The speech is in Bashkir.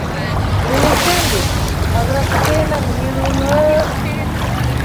— Ул өлкән бит, аҙыраҡ үҫәйем әле, мин уны...